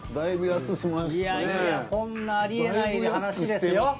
いやいやこんなありえない話ですよ。